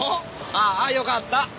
ああ良かった。